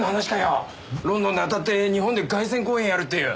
ロンドンで当たって日本で凱旋公演やるっていう。